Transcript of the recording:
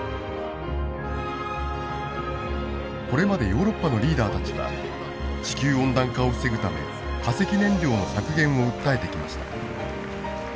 これまでヨーロッパのリーダーたちは地球温暖化を防ぐため化石燃料の削減を訴えてきました。